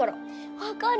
分かる。